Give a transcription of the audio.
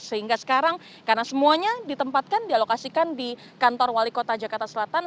sehingga sekarang karena semuanya ditempatkan dialokasikan di kantor wali kota jakarta selatan